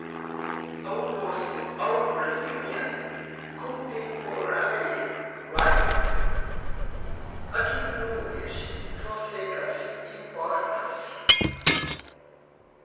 Almost all Brazilian contemporary writers acknowledge Fonseca's importance.